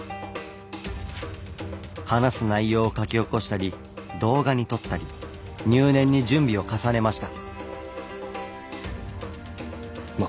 話す内容を書き起こしたり動画に撮ったり入念に準備を重ねました。